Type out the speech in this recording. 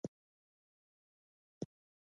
دوی تخمونه او کود کنټرولوي.